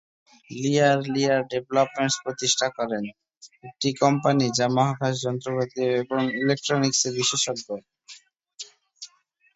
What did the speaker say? লিয়ার Lear Developments প্রতিষ্ঠা করেন, একটি কোম্পানি যা মহাকাশ যন্ত্রপাতি এবং ইলেকট্রনিক্সে বিশেষজ্ঞ।